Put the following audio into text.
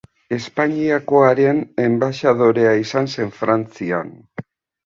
Espainiakoaren enbaxadorea izan zen Frantzian.